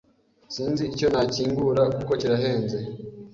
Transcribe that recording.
Sinzi icyo nakingura kuko kirahenze.